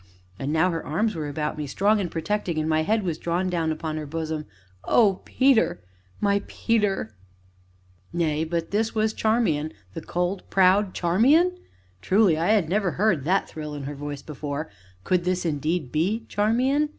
And now her arms were about me, strong and protecting, and my head was drawn down upon her bosom. "Oh, Peter! my Peter!" Nay, but was this Charmian, the cold, proud Charmian? Truly I had never heard that thrill in her voice before could this indeed be Charmian?